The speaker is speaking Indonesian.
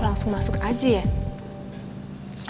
lama banget sih dia di dalem toilet